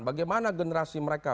bagaimana generasi mereka